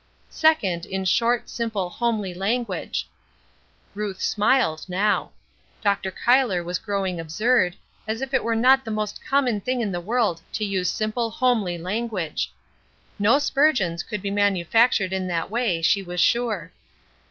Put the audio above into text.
"Second, in short, simple, homely language." Ruth smiled now. Dr. Cuyler was growing absurd, as if it were not the most common thing in the world to use simple, homely language! No Spurgeons could be manufactured in that way, she was sure.